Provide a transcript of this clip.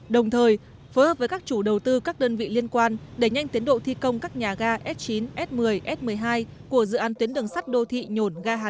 đồng thời phối hợp với các chủ đầu tư các đơn vị liên quan đẩy nhanh tiến độ thi công các nhà ga s chín s một mươi s một mươi hai của dự án tuyến đường sắt đô thị nhổn ga hà nội